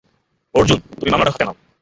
অর্জুন, তুমি মামলাটা হাতে নাও।